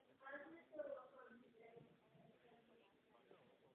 Později přikoupil další pozemky pro rozšíření svého podnikání.